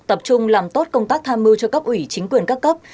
tập trung làm tốt công tác tham mưu cho cấp ủy chính quyền các cấp